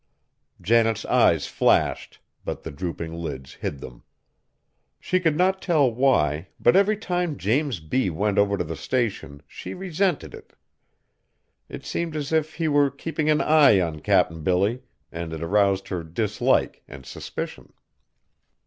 Janet's eyes flashed, but the drooping lids hid them. She could not tell why, but every time James B. went over to the Station she resented it. It seemed as if he were keeping an eye on Cap'n Billy, and it aroused her dislike and suspicion.